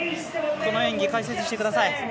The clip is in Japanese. この演技、解説してください。